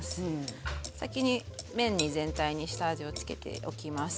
先に麺に全体に下味をつけておきます。